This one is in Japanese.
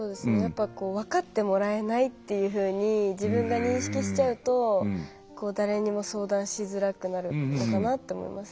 分かってもらえないっていうふうに自分が認識しちゃうと誰にも相談しづらくなるのかなって思います。